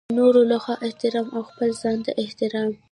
د نورو لخوا احترام او خپل ځانته احترام.